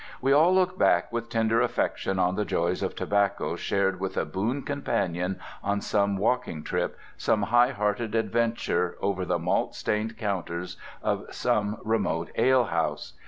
We all look back with tender affection on the joys of tobacco shared with a boon comrade on some walking trip, some high hearted adventure, over the malt stained counters of some remote alehouse.